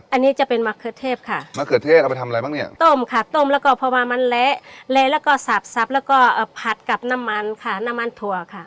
อันนี้จะเป็นมะเขือเทศค่ะมะเขือเทศเอาไปทำอะไรบ้างเนี่ยต้มค่ะต้มแล้วก็พอมามันเละแล้วก็สาบซับแล้วก็ผัดกับน้ำมันค่ะน้ำมันถั่วค่ะ